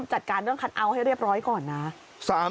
จัดการเรื่องคัทเอาท์ให้เรียบร้อยก่อนนะ